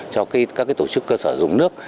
cho các tổ chức cơ sở dùng nước